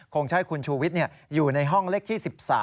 คงใช่คุณชูวิทย์อยู่ในห้องเลขที่๑๓